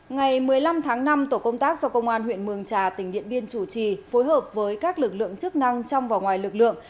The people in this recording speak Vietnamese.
ngày một mươi năm tháng năm tổ công tác do công an huyện mường trà tỉnh điện biên chủ trì phối hợp với các lực lượng chức năng trong và ngoài lực lượng